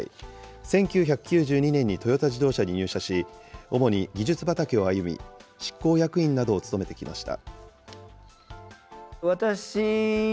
１９９２年にトヨタ自動車に入社し、主に技術畑を歩み、執行役員などを務めてきました。